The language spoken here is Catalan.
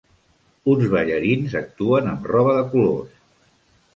Uns ballarins actuen amb roba de colors